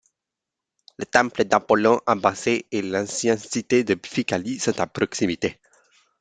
Le temple d'Apollon à Bassae et l'ancienne cité de Phigalie sont à proximité.